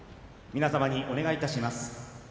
皆様にお願いいたします。